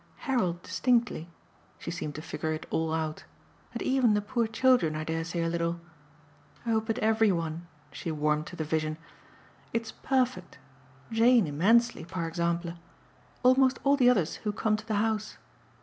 Harold distinctly" she seemed to figure it all out "and even the poor children, I dare say, a little. Oh but every one" she warmed to the vision "it's perfect. Jane immensely, par example. Almost all the others who come to the house.